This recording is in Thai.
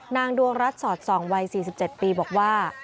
นางดวงรัฐสอด๒วัย๔๗ปีบอกว่า